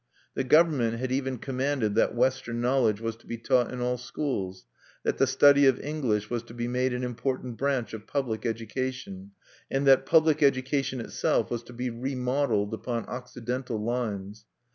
The government had even commanded that Western knowledge was to be taught in all schools; that the study of English was to be made an important branch of public education; and that public education itself was to be remodeled upon Occidental lines.